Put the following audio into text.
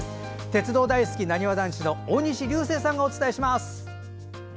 鉄道大好き、なにわ男子大西流星さんがお伝えします。